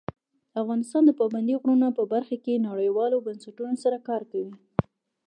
افغانستان د پابندی غرونه په برخه کې نړیوالو بنسټونو سره کار کوي.